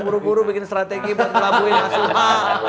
buru buru bikin strategi buat melabuhin masuha